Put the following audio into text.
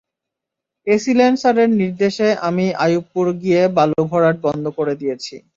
AC land স্যারের নির্দেশে আমি আইয়ুবপুর গিয়ে বালু ভরাট বন্ধ করে দিয়েছি।